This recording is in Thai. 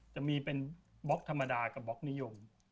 จะมีเป็นบล็อกธรรมดากับบล็อกนิยม